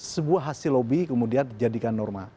sebuah hasil lobby kemudian dijadikan norma